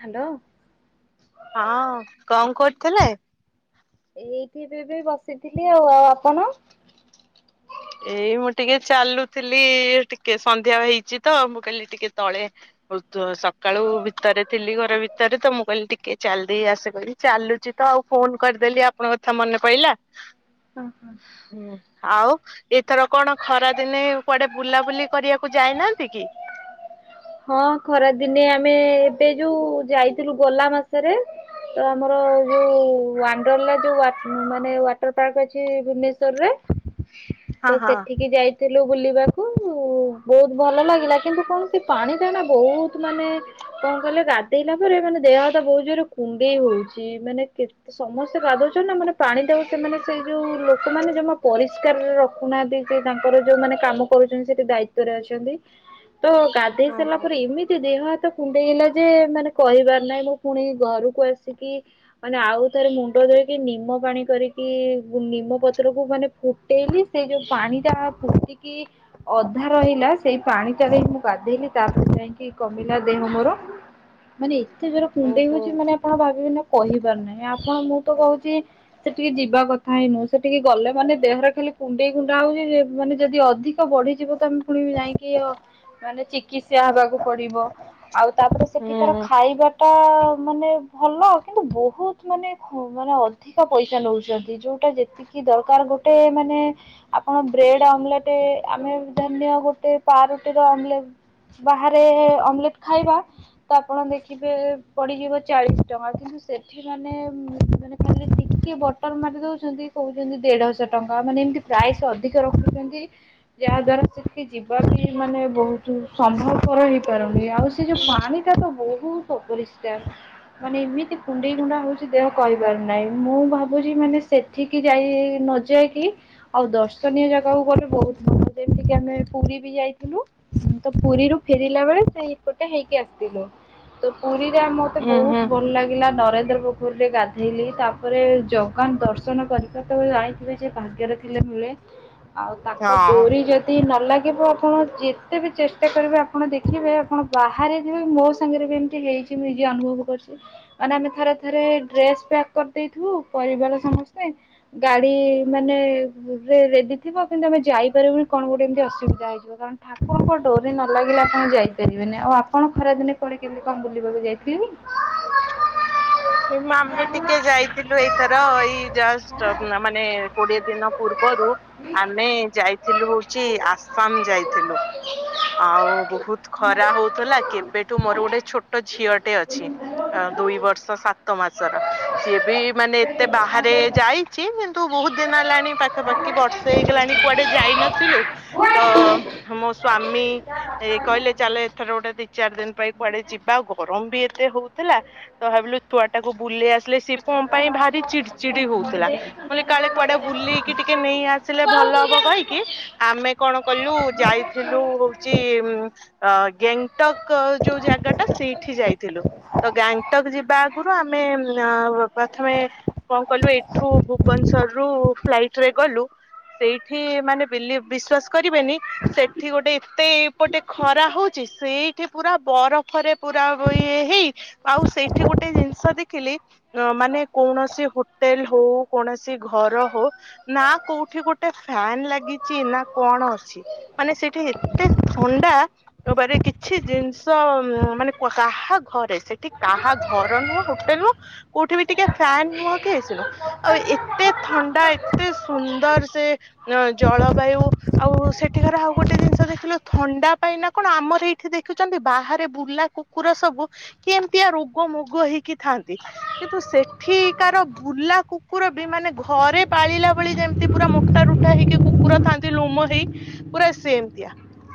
Hello. ହଁ କଣ କରୁଥିଲେ? ଏଇଠି ଏବେ ଏବେ ବସିଥିଲି ଆଉ ଆପଣ? ଏଇ ମୁଁ ଟିକେ ଚାଲୁଥିଲି ଟିକେ ସନ୍ଧ୍ୟା ହେଇଛି ତ ମୁଁ କହିଲି ଟିକେ ତଳେ ସକାଳୁ ଭିତରେ ଥିଲି ଘର ଭିତରେ ତ ମୁଁ କହିଲି ଟିକେ ଚାଲିଦେଇ ଆସେ କିହିଲି ଚାଲୁଛି ତ ଆଉ ଫୋନ କରିଦେଲି ଆପଣଙ୍କ କଥା ମନେ ପଡିଲା। ଓ ହୋ। ହୁଁ ଆଉ। ଏଥର କଣ ଖରା ଦିନେ କୁଆଡେ ବୁଲାବୁଲି କରିବାକୁ ଯାଇନାହାନ୍ତି କି? ହଁ ଖରା ଦିନେ ଆମେ ଏବେ ଯୋଉ ଯାଇଥିଲୁ ଗଲା ମାସରେ ତ ଆମର ଯୋଉ ୱାଣ୍ଡାର୍ଲା ଯୋଉ ମାନେ ୱାଟର ପାର୍କ ଅଛି ଭୁବନେଶ୍ୱର ରେ ହଁ ତ ହଁ। ସେଠିକି ଯାଇ ଥିଲୁ ବୁଲିବାକୁ ବହୁତ ଭଲ ଲାଗିଲା କିନ୍ତୁ କଣ ସେ ପାଣିଟା ନା ବହୁତ ମାନେ କଣ କହିଲ ଗାଧେଇଲା ପରେ ମାନେ ଦେହଟା ବହୁତ ଜୋର କୁଣ୍ଡେଇ ହଉଛି। ମାନେ କେ ସମସ୍ତେ ଗାଧଉଛନ୍ତି ନା ମାନେ ପାଣିଟା ଗୋଟେ ସେଇ ଯୋଉ ଲୋକମାନେ ଜମା ପରିଷ୍କାରରେ ରଖୁନାହାନ୍ତି କି ତାଙ୍କର ଯୋଉ ମାନେ କାମ କରୁଛନ୍ତି ସେଠି ଦାୟିତ୍ୟ ରେ ଅଛନ୍ତି। ତ ଦେଇ ଓହୋ ସରିଲା ପରେ ଏମିତି ଦେହ ତ କୁଣ୍ଡେଇ ହେଲା ଯେ ମାନେ କହିବାର ନାହିଁ ମୁଁ ପୁଣି ଘରକୁ ଆସିକି ମାନେ ଆଉ ଥରେ ମୁଣ୍ଡ ଧୋଇକି ନିମ ପାଣି କରିକି ନିମ ପତ୍ରକୁ ମାନେ ଫୁଟେଇଲି ସେଇ ଯୋଉ ପାଣି ଟା ଫୁଟିକି ଅଧା ରହିଲା ସେଇ ପାଣିଟା ରେ ମୁଁ ଗାଧେଇଲି। ତାପରେ ଯାଇକି କମିଲା ଦେହ ମୋର ମାନେ ଏତେ ଜୋରେ କୁଣ୍ଡେଇ ଓହୋ ହଉଛି ମାନ ଆପଣ ଭାବିବେ ନା କହିପାରୁ ନାହିଁ ଆପଣ ମୁଁ ତ କହୁଛି ସେଠିକି ଯିବା କଥା ହିଁ ନୁହଁ। ସେଠିକି ଗଲେ ମାନେ ଦେହରେ ଖାଲି କୁଣ୍ଡେଇ କୁଣ୍ଡା ହଉଛି ଯେ ମାନେ ଯଦି ଅଧିକ ବଢ଼ିଯିବ ତ ଆମେ ପୁଣି ଯାଇକି ମାନେ ଚିକି କିସ୍ରା ହେବାକୁ ପଡିବ। ଆଉ ତାପରେ ହୁଁ ସେଠିକାର ଖାଇବା ଟା ଟା ମାନେ ଭଲ କିନ୍ତୁ ବହୁତ ମାନେ ମାନେ ଅଧିକା ପଇସା ନଉଛନ୍ତି ଯୋଉଟା ଯେତିକି ଦରକାର ଗୋଟେ ମାନେ କଣ ବ୍ରେଡ୍ ଓମଲେଟେ? ଆମେ ଧରିନିଅ ଗୋଟେ ପାଉରୁଟିର ଓମଲେଟ ବାହାରେ ଓମଲେଟ ଖାଇବା ତ ଆପଣ ଦେଖିବେ ପଡିଯିବ ଚାଳିଶ ଟଙ୍କା କିନ୍ତୁ ସେଠି ମାନେ ମାନେ ଖାଲି ଟିକେ ବଟର ମାରି ଦଉଛନ୍ତି କହୁଛନ୍ତି ଦେଢ଼ଶହ ଟଙ୍କା ମାନେ ଏମିତି ପ୍ରାଇସ୍ ଅଧିକ ରଖୁଛନ୍ତି ଯାହା ଦ୍ଵାରା ସେଠି ଯିବା ବି ମାନେ ବହୁତ ସମ୍ଭବପର ହେଇପାରୁନି ଆଉ ସେ ଯୋଉ ପାଣି ଟା ତ ବହୁତ ଅପରିଷ୍କାର ମାନେ ଏମିତି କୁଣ୍ଡେଇ କୁଣ୍ଡା ହଉଛି ଦେହ କହିପାରୁନାହିଁ। ମୁଁ ଭାବୁଛି ମାନେ ସେଠିକି ଯାଇ ନ ଯାଇକି ଆଉ ଦର୍ଶନୀୟ ଜାଗାକୁ ଗଲେ ବହୁତ ଭଲ ଯେମିତିକି ଆମେ ପୁରୀ ବି ଯାଇଥିଲୁ ତ ପୁରୀରୁୁ ଫେରିଲା ବେଳେ ସେହି ପଟେ ହେଇକି ଆସିଥିଲୁ ତ ପୁରୀ ସେଠି ମତେ ହୁଁ ହୁଁ ବହୁତ ଭଲ ଲାଗିଲା ନରେ ସେ ପୋଖରୀରେ ଗାଧେଇଲି ତାପରେ ଜଗା ଦର୍ଶନ କରିବା [unintelligible] ଲାଇଫ ରେ ଯେ ଭାଗ୍ୟରେ ଥିଲେ ମିଳେ। ଆଉ ତାଙ୍କ ହଁ। ଡୋରି ଯଦି ନଲାଗେ କି ପ୍ରଥମ ଯେତେ କେତେ ବି ଚେଷ୍ଟା କରିବେ ଆପଣ ଦେଖିବେ ଆପଣ ବାହାରେ ଯିବେ ମୋ ସାଙ୍ଗରେ ବି ଏମିତି ହେଇଛି ମୁଁ ନିଜେ ଅନୁଭବ କରିଛି ମାନେ ଆମେ ଥରେ ଥରେ ଡ୍ରେସ୍ ପ୍ୟାକ୍ କରିଦେଇଥିବୁ ପରିବାର ସମସ୍ତେ ଗାଡି ମାନେ ରେଡି ଥିବ କିନ୍ତୁ ଆମେ ଯାଇପାରିବୁନି କଣ ଗୋଟେ ଏମିତି ଅସୁବିଧା ହେଇଯିବ କାରଣ ଠାକୁ ଆପଣଙ୍କ ଡୋରି ନ ଲାଗିଲେ ଆପଣ ଯାଇପାରିବେନି ଆଉ ଆପଣ ଖରାଦିନେ କୁଆଡେ କେମିତି କଣ ବୁଲିବାକୁ ଯାଇଥିଲେ କି? ଆମେ ଟିକେ ଯାଇଥିଲୁ ଏଇଥର ଏଇ ଜଷ୍ଟ୍ ମାନେ କୋଡିଏ ଦିନ ପୂର୍ବରୁ ଆମେ ଯାଇଥିଲୁ ହଉଛି ଆସାମ ଯାଇଥିଲୁ। ଆଉ ବହୁତ ଖରା ହଉଥିଲା କେବେଠୁ ମୋର ଗୋଟେ ଛୋଟ ଝିଅଟେ ଅଛି ଦୁଇ ବର୍ଷ ସାତ ସାତ ମାସର ସିଏ ବି ମାନେ ଏତେ ବାହାରେ ଯାଇଛି କିନ୍ତୁ ବହୁତ ଦିନ ହେଲାଣି ପାଖାପାଖି ବର୍ଷେ ହେଇଗଲାଣି କୁଆଡେ ଯାଇନଥିଲୁ। ତ ମୋ ସ୍ଵାମୀ ଏ କହିଲେ ଚାଲ ଏଥର ଗୋଟେ ଦି ଚାରି ଦିନ ପାଇଁ କୁଆଡେ ଯିବା ଆଉ ଗରମ ବି ଏତେ ହଉଥିଲା ତ ଭାବିଲୁ ଛୁଆ ଟାକୁ ବୁଲି ଆସ ସି କଣ ପାଇଁ ଭାରି ଚିଡି ଚିଡି ହଉଥିଲା। ମୁଁ କହିଲି କାଳେ କୁଆଡେ ବୁଲିକି ଟିକେ ନେଇ ଆସିଲେ ଭଲ ହବ କହିକି ଆମେ କଣ କଲୁ ଯାଇଥିଲୁ ହଉଛି ଗ୍ୟାଙ୍ଗ ଗକ୍ ଯୋଉ ଜାଗା ଟା ସେଇଠି ଯାଇଥିଲୁ ତ ଗ୍ୟାଙ୍ଗଟକ ଯିବା ଆରୁ ଆମେ ପ୍ରଥମେ କଣ କଲୁ ଏଠୁ ଭୁବନେଶ୍ଵର ରୁ ଫ୍ଲାଇଟ ରେ ଗଲୁ ସେଇଠି ମାନେ ଵିଲିଭ୍ ବିଶ୍ଵାସ କରିବେନି ସେଠି ଗୋଟେ ଏତେ ପଟେ ଖରା ହଉଛି ସେଇଠି ପୁରା ବରଫରେ ପୁରା ଇଏ ହେଇ ଆଉ ସେଇଠି ଗୋଟେ ଗୋଟେ ଜିନିଷ ଦେଖିଲି ମାନେ କୌଣସି ହୋଟେଲ ହଉ କୌଣସି ଘର ହଉ ନା କୋଉଠି ଗୋଟେ ଫ୍ୟାନ ଲାଗିଛି ନା କଣ ଅଛି ମାନେ ସେଠି ଏତେ ଥଣ୍ଡା [unintelligible] କିଛି ଜିନିଷ ମାନେ କାହା ଘରେ ସେଠି କାହା ଘର ନୁହଁ ହୋଟେଲ ନୁହଁ କୋଉଠି ବି ଟିକେ ଫ୍ୟାନ ନୁହଁ କି ଏସି ନୁହଁ ଆଉ ଏତେ ଥଣ୍ଡା ଏତେ ସୁନ୍ଦର ସେ ଜଳବାୟୁ ଆଉ ସେଠିକାର ଆଉ ଗୋଟେ ଜିନିଷ ଦେଖିଲୁ ଥଣ୍ଡା ପାଇଁନା କଣ ଆମର ଏଇଠି ଦେଖୁଛନ୍ତି ବାହାରେ ବୁଲା କୁକୁର ସବୁ କି ଏମତି ଆ ମୁଗ ମୁଗ ହେଇକି ଥାନ୍ତି କିନ୍ତୁ ସେଠିକାର ବୁଲା କୁକୁର ବି ମାନେ ଘରେ ପାଳିଲା ଭଳି ଯେମତି ପୁରା ମୋଟା ରୁଟା ହେଇକି କୁକୁର ଥାନ୍ତି ଲୁମ ହେଇ ପୁରା ସେମିତିଆ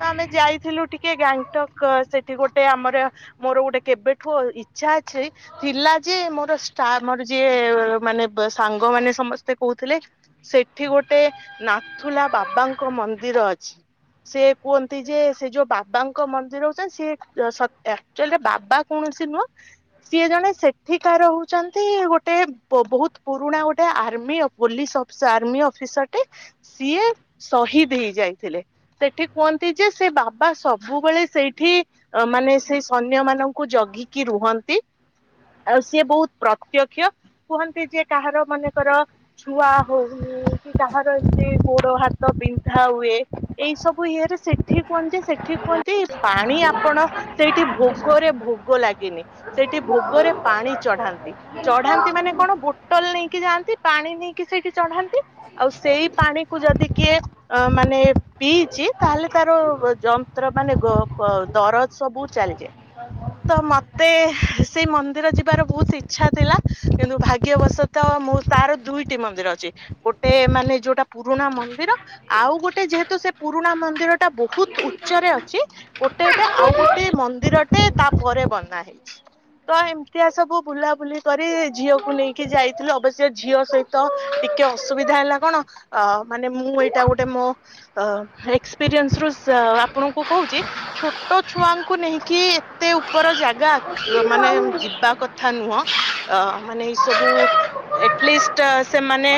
ତ ଆମେ ଯାଇଥିଲୁ ଟିକେ ଗାଙ୍ଗଟକ୍ ସେଠି ଗୋଟେ ଆମର ମୋର ଗୋଟେ କେବେଠୁ ଆଚ୍ଛା ଆଛାଇ ଥିଲା ଯେ ମୋର ଷ୍ଟାଫ ମୋର ଯିଏ ମାନେ ସାଙ୍ଗମାନେ ସମସ୍ତେ କହୁଥିଲେ ସେଠି ଗୋଟେ ନାଥୁଲା ବାବାଙ୍କ ମନ୍ଦିର ଅଛି ସେ କୁହନ୍ତି ଯେ ସେ ଯୋଉ ବାବାଙ୍କ ମନ୍ଦିର ହଉଛନ୍ତି ସେ ଆକ୍ଚୁଆଲି ବାବା କୌଣସି ନୁହଁ ସିଏ ଜଣେ ସେଠିକାର ହଉଛନ୍ତି ଗୋଟେ ବହୁତ ପୁରୁଣା ଗୋଟେ ଆର୍ମି ପୋଲିସ ଅଫିସର ଆର୍ମି ଅଫିସରଟେ ସିଏ ସହିଦ ହେଇ ଯାଇଥିଲେ। ସେଠି କୁହନ୍ତି ଯେ ସେ ବାବା ସବୁବେଳେ ସେଇଠି ମାନେ ସେଇ ସୈନ୍ୟ ମାନଙ୍କୁ ଜଗି କି ରୁହନ୍ତି ଆଉ ସିଏ ବହୁତ ପ୍ରତ୍ୟକ୍ଷ କୁହନ୍ତି ଯେ କାହାର ମନେକର ଛୁଆ ହଉନି କି କାହାର ଏମିତି ଗୋଡ ହାତ ବିନ୍ଧା ହୁଏ ଏଇ ସବୁ ଇଏରେ ସେଠି କୁହନ୍ତି ଯେ ସେଠି କୁହନ୍ତି ପାଣି ଆପଣ ସେଇଠି ଭୋଗରେ ଭୋଗ ଲାଗେ। ତିନି ସେଠି ଭୋଗରେ ପାଣି ଚଢାନ୍ତି। ଚଢାନ୍ତି ମାନେ କଣ ପୋଟଲ ନେଇକି ଯାଆନ୍ତି ପାଣି ନେଇକି ସେଇଠି ଚଢାନ୍ତି ଆଉ ସେଇ ପାଣି କ ଯଦି କିଏ ମାନେ ପିଇଛି ତାହେଲେ ତାର ଯନ୍ତ୍ର ମାନେ ଦରଜ ସବୁ ଚାଲିଯାଏ ତ ମେ ମତେ ସେଇ ମନ୍ଦିର ଯିବାର ବହୁତ ଇଚଛା ଥିଲା କିନ୍ତୁ ଭାଗ୍ୟବଶତଃ ତାର ଦୁଇଟି ମନ୍ଦିର ଅଛି ଗୋଟେ ମାନେ ଯୋଉଟା ପୁରୁଣା ମନ୍ଦିର ଆଉ ଗୋଟେ ଯେହେତୁ ସେ ପୁରୁଣା ମନ୍ଦିର ଟା ବହୁତ ଉଚ୍ଚରେ ଅଛି ଗୋଟେ ଏବେ ଆଉ ଗୋଟେ ମନ୍ଦିରଟେ ତା ପରେରେ ବନାଏ ତ ଏମିତିଆ ସବୁ ବୁଲାବୁଲି କରି ଝିଅକୁ ନେଇକି ଯାଇଥିଲୁ ଅବଶ୍ୟ ଝିଅ ସହିତ ଟିକେ ଅସୁବିଧା ହେଲା କଣ ଅ ମାନେ ମୁଁ ଏଇଟା ଗୋଟେ ମୋ ଏକ୍ସପିରିଏନ୍ସ ରୁ ଆପଣଙ୍କୁ କହୁଛି ଛୋଟ ଛୁଆଙ୍କୁ ନେଇକି ଏତେ ଉପର ଜାଗା ମାନେ ଯିବା କଥା ନୁହଁ ଅ ମାନେ ଏଇ ସବୁ ଏଟଲିଷ୍ଟ ସେମାନେ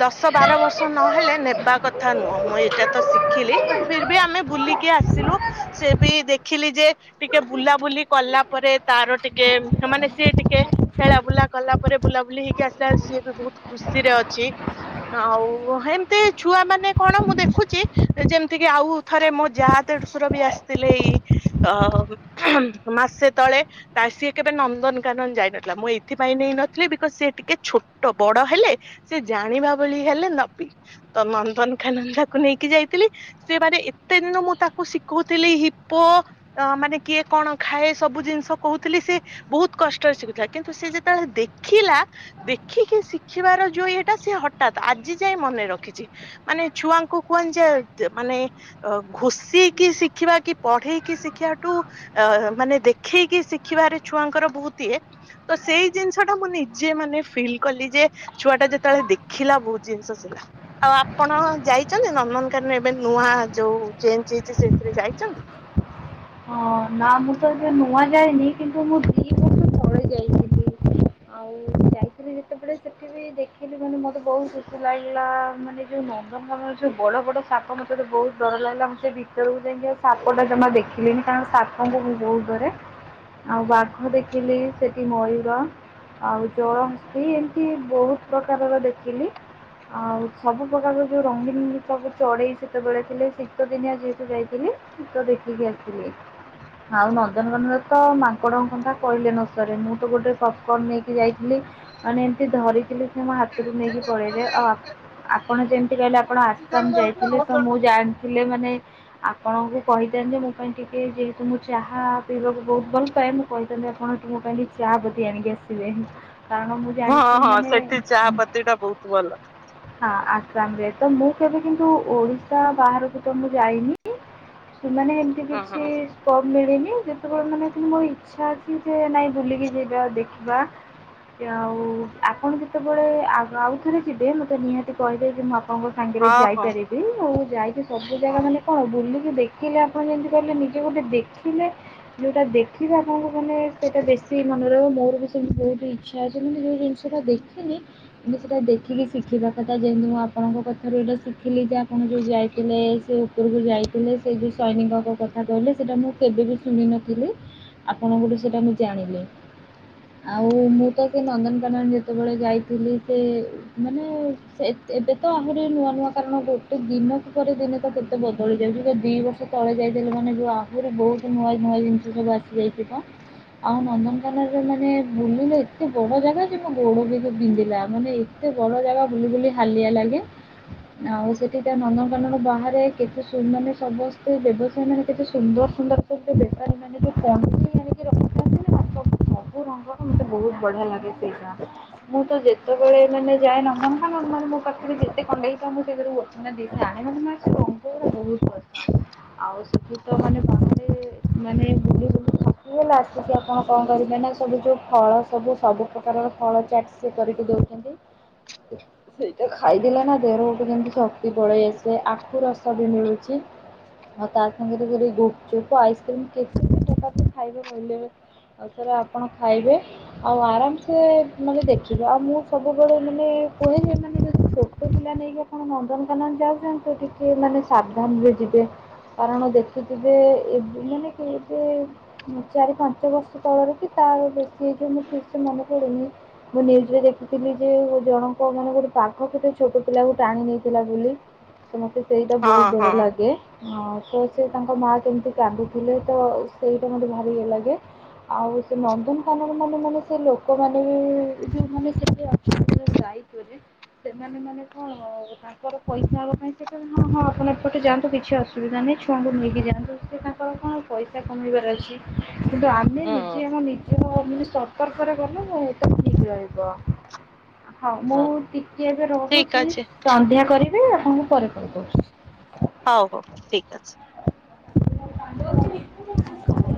ଦଶ ବାର ବର୍ଷ ନହେଲେ ନେବା କଥା ନୁହଁ ମୁଁ ଏଇଟା ତ ଶିଖିଲି ବଟ ଫିର ବି ଆମେ ବୁଲିକି ଆସିଲୁ ସେ ବି ଦେଖିଲି ଯେ ଟିକେ ବୁଲାବୁଲି କଲା ପରେ ତାର ଟିକେ ମାନେ ସିଏ ଟିକେ ଖେଳା ବୁଲା କଲା ପରେ ବୁଲାବୁଲି ହେଇକି ଆସିଲା ପରେ ସିଏ ବି ବହୁତ ଖୁସିରେ ଅଛି ଆଉ ଏମିତି ଛୁଆ ମାନେ କଣ ମୁଁ ଦେଖୁଛି ଯେମିତି କିି ଆଉ ଥରେ ମୋ ଯାହା ତସୁର ବି ଆସିଥିଲେ ଏଇ ମାସେ ତଳେ ତା ସିଏ କେବେ ନନ୍ଦନକାନନ ଯାଇ ନଥିଲା ମୁଁ ଏଇଥିପାଇଁ ନେଇନଥିଲି ବିକଜ ସିଏ ଟିକେ ଛୋଟ ବଡ ହେଲେ ସେ ଜାଣିବା ଭଳି ହେଲେ ନବୀନ ତ ନନ୍ଦନକାନନ ତାକୁ ନେଇକି ଯାଇଥିଲି ସେ ମାନେ ଏତେ ଦିନ ମୁଁ ତାକୁ ଶିଖଉଥିଲି ହିପୋ ମାନେ କିଏ କଣ ଖାଏ ସବୁ ଜିନିଷ କହୁଥିଲି ସେ ବହୁତ କଷ୍ଟରେ ଶିଖୁଥିଲା କିନ୍ତୁ ସେି ଯେତେବେଳେ ଦେଖିଲା ଦେଖିକି ଶିଖିବାର ଯୋଉ ଇଏଟା ସି ହଠାତ୍ ଆଜି ଯାଇଏ ମନେ ରଖିଛି ମାନେ ଛୁଆଙ୍କୁ କୁହନ ଯେ ମାନେ ଘୋଷେଇକି ଶିଖିବା କି ପଢେଇକି ଶିଖିବାଠୁ ମାନେ ଦେଖେଇକି ଶିଖିବାରେ ଛୁଆଙ୍କର ବହୁତ ଇଏ ତ ସେଇ ଜିନିଷ ଟା ମୁଁ ନିଜେ ମାନେ ଫିଲ୍ କଲି ଯେ ଛୁଆ ଟା ଯେତେବେଳେ ଦେଖିଲା ବହୁତ ଜିନିଷ ସଥିଲା ଆଉ ଆପଣ ଯାଇଛନ୍ତି ନନ୍ଦନକାନରେ ଏବେ ନୂଆ ଯୋଉ ଚେଞ୍ଜ ହେଇଛି ସେଥିରେ ଯାଇଚନ୍ତି? ହଁ ନା ମୁଁ ତ ଏବେ ନୂଆ ଯାଏନି କିନ୍ତୁ ମୁଁ ଦି ବର୍ଷ ତଳେ ଯାଇଥିଲି ଆଉ ଯାଇଥିଲି ଯେତେବେଳେ ସେଠି ବି ଦେଖିଲି ମାନେ ମୋତେ ବହୁତ ଖୁସି ଲାଗିଲା ମାନେ ଯୋଉ ନନ୍ଦନକାନର ଯେଉଁ ବଡ଼ ବଡ଼ ସାପ ମୋତେ ବହୁତ ଡର ଲାଗିଲା ମୋତେ ଭିତରକୁ ଯାଇକି ଆଉ ସାପଟା ଜମା ଦେଖିଲିିନି କାରଣ ସାପ ଙ୍କୁ ମୁଁ ବହୁତ ପରେ ଆଉ ବାଘ ଦେଖିଲି ସେଠି ମୟୂର ଆଉ ଜଳହସ୍ତି ଏମିତି ବହୁତ ପ୍ରକାରର ଦେଖିଲି ଆଉ ସବୁ ପ୍ରକାର ଯୋଉ ରଙ୍ଗିନ ସବୁ ଚଢେଇ ସେତେବେଳେ ଥିଲେ ଶୀତ ଦିନିଆ ଯେହେତୁ ଯାଇଥିଲି ତ ଦେଖିକି ଆସି ଥିଲି ଆଉ ନନ୍ଦନକନର ତ ମାଙ୍କଡଙ୍କ କଥା କହିଲେ ନ ସରେ ମୁଁ ତ ଗୋଟେ ପପିକନ୍ ନେଇକି ଯାଇଥିଲି ମାନେ ଏମିତି ଧରିଥିଲି ମୋ ହାତରୁ ନେଇକି ପଳେଇଲେ ଆଉ ଆପଣ ଯେମିତି କହିଲେ ଆପଣ ଆସାମ ଯାଇଥିଲେ ତ ମୁଁ ଜାଣିଥିଲେି ମାନେ ଆପଣଙ୍କୁ କହିଥାନ୍ତି ଯେ ମୁଁ ତା ପାଇଁ ଟିକେ ଯେହେତୁ ମୁଁ ଚାହା ପିଇବାକୁ ବହୁତ ଭଲ ପାଏ ମୁଁ କହିଥାନ୍ତି ଆପଣ ତୁମ ପାଇଁ ଚାହା ପତି ଆଣିକି ଆସିବେ। କାରଣ ମୁଁ ହଁ ଜାଣିଛି ହଁ ମାନେ ସେଠି ଚାହାପତି ଟା ବହୁତ ଭଲ। ସାମ ରେ ତ ମୁଁ କେବେ କିନ୍ତୁ ଓଡିଶା ବାହାରକୁ ତ ମୁଁ ଯାଇନି ସେମାନେ ତି ହଁ କିଛି ହଁ। ସ୍କୋପ ମିଳିନି। ଯେତେବେଳେ ମାନେ କି ମୋ ଇଚ୍ଛା ଅଛି ଯେ ନାଇଁ ବୁଲିକି ଯିବା ଦେଖିବା। ଆଉ ଆପଣ ଯେତେବେଳେ ଆ ଆଉ ଥରେ ଯିବେ ମତେ ନିହାତି କହିବେ ଯେ ମୁଁ ଆ ତମ ସାଙ୍ଗରେ ହଁ ହଁ ଯାଇପାରିବି ମୁଁ। ଯାଇକି। ସବୁ ଜାଗା ମାନେ କଣ ବୁଲି। ମୁଁ ଦେଖିଲା। ଆପଣ ଯେମିତି କହିଲେ ନିଜେ ଗୋଟେ ଦେଖିଲେ ଯେଉଁଟା ଦେଖିବେ ଆପଣଙ୍କୁ ମାନେ ସେଇଟା ବେଶୀ ମନେ ରହିବ ମୋର ବି ସେମିତି ବହୁତ ଇଚ୍ଛା ଅଛି କିନ୍ତୁ ଯେଉଁ ଜିନିଷଟା ଦେଖିନି କିନ୍ତୁ ସେଇଟା ଦେଖିକି ଶିଖିବା କଥା ଯେମିତି ମୁଁ ଆପଣଙ୍କ କଥାରୁ ଏଇଟା ଶିଖିଲି ଯେ ଆପଣ ଯେଉଁ ଯାଇଥିଲେ ସେ ଉପରକୁ ଯାଇଥିଲେ ସେ ଯେଉଁ। ସୈନିକଙ୍କ କଥା କହିଲେ ସେଟା ମୁଁ କେବେବି ଶୁଣୁନଥିଲି ଆପଣଙ୍କଠୁ ସେଟା ମୁ ଜାଣିଲି ଆ ମୁଁ ମୁଁ ତ କେ ନନ୍ଦନକାନନ ଯା ଯେତେବେଳେ ଯାଇଥିଲି ସେ ମାନେ ସେ ଏବେ ତ ଆହୁରି ନୂଆ ନୂଆ କାରଣ ଗୋଟେ ଦିନକୁ ପରେ ଦିନ ତ କେତେ ବଦଳି ଯାଉଛି ଯେ ଦି ବର୍ଷ। ତଳେ ଯାଇଥିଲି ମାନେ ଯେଉଁ ଆହୁରି ବହୁତ ନୂଆ ନୂଆ ଜିନିଷ ସବୁ ଆସିଯାଇଛି ତ ଆଉ ନନ୍ଦନକାନନରେ ମାନେ ବୁଲିଲେ ଏତେ ବଡ଼ ଜାଗା ଯେ ମୋ ଗୋଡ଼ ବି-ବି-ବିନ୍ଧିଲା ମାନେ ଏତେ ବଡ଼ ଜାଗା ବୁଲି ବୁଲି ହାଲିଆ ଲାଗେ ଆଉ ସେଠି ତ ନନ୍ଦନକାନର ବାହାରେ କେତେ ସୁ ମାନେ ସବୁ। ସେ ବ୍ୟବସାୟୀ ମାନେ କେତେ ସୁନ୍ଦର ସୁନ୍ଦର ସବୁ ବେପାରୀ ମାନେ ଯୋଉ କଣ୍ଢେଇ ଆଣିକି ରଖିଥାନ୍ତି ନା ସ ସବୁ ରଙ୍ଗର ମୋତେ ବହୁତ ବଢିଆ ଲାଗେ ସେଇଟା ମୁଁ ତ ଯେତେବେଳେ ମାନେ ଯାଏ ନନ୍ଦନକାନନ ମୋ ପାଖରେ ଯେତେ କଣ୍ଡେଇ ହେଇଥାଉ ମୁଁ ସେଥିରୁ ଗୋଟେ ନା ଦି ଟା ଆଣେ ମାନେ ମତେ ସେ ରଙ୍ଗ ଗୁଡ଼ା ବହୁତ୍ ପସନ୍ଦ। ଆଉ ସେଠି ତ ମାନେ ବନରେ ମାନେ ବୁଲି ବୁଲି ଥକିଗଲା ଆସିକି ଆପଣ କଣ କରିବେ ନା ସବୁ ଯୋଉ ଫଳ ସବୁ ସବୁ ପ୍ରକାରର ଫଳ ଚାଟ ସେ କରିକି ଦଉଛନ୍ତି ସେଇଟା ଖାଇଦେଲେ ନା ଦେହ ର ଗୋଟେ ଯେମତି ଶକ୍ତି ପଳେଇ ଆସେ ଆଖୁ ରସ ବି ମିଳୁଛି। ଆଉ ତା ସାଙ୍ଗରେ ଯଦି ଗୁପଚୁପ ଆଇସ୍କ୍ରିମ କେଯାଏଁ ପ୍ରକାର ଖାଇବେ କହିଲେ ଆଉ ସେରା ଆପଣ ଖାଇବେ ଆଉ ଆରାମସେ ମାନେ ଦେଖିବେ ଆଉ ମୁଁ ସବୁବେଳେ ମାନେ କୁହେ ଯେ ମାନେ ଯଦି ଛୋଟ ପିଲା ନେଇକି ଆପଣ ନନ୍ଦନକାନନ ଯାଉଛନ୍ତି ଟିକେ ମାନେ ସାବଧାନରେ ଯିବେ। କାରଣ ଦେଖିଥିବେ ଏ ମାନେ କି ଏବେ ଚାରି ପାଞ୍ଚ ବର୍ଷ ତଳରେ କି ତା ବେଶୀ ହେଇଯିବ ମୁଁ ଠିକ ସେ ମନେ ପଡ଼ୁନି ମୁଁ ନ୍ୟୁଜରେ ଦେଖିଥିଲି ଯେ ଜଣଙ୍କ ମାନେ ଗୋଟେ ବାଘ କେତେ ଛୋଟ ପିଲାକୁ ଟାଣି ନେଇ ଥିଲା ବୋଲି ତ ମୋତେ ସେଇଟା ହଁ ବହୁତ ଡର ହଁ ଲାଗେ। ହଁ ତ ସେ ତାଙ୍କ ମାଆ କେମିତି କାନ୍ଦୁଥିଲେ ତ ସେଇଟା ମୋତେ ଭାରି ଇଏ ଲାଗେ ଆଉ ସେ ନନ୍ଦନକାନରେ ମାନେ ମାନେ ସେ ଲୋକମାନେ ବି ଯେଉମାନେ ସେଠି ଅଛନ୍ତି ଦାୟିତ୍ଵରେ ସେମାନେ ମାନେ କଣ ତାଙ୍କର ପଇସା ହେବା ପାଇଁ ସେଟା ହଁ ହଁ ଆପଣ ଏପଟେ ଯାଆନ୍ତୁ କିଛି ଅସୁ ଅସୁବିଧା ନାହିଁ ଛୁଆଙ୍କୁ ନେଇକି ଯାଆନ୍ତୁ ସେ ତାଙ୍କର କଣ ପଇସା କମେଇବାର ଅଛି କିନ୍ତୁ ଆମେ ହଁ ନିଜେ ଆମ ନିଜ ସତର୍କରେ ଗଲେ ତ ଠିକ ରହିବ। ହଁ ମୁଁ ଟିକିଏ ଏବେ ଠିକ ରହୁଛି ଅଛି। ସନ୍ଧ୍ୟା କରି ବି ଆପଣ ଙ୍କୁ ପରେ କଲ କରୁଚି। ହଉ ହଉ ଠିକ ଅଛି। [inaudible]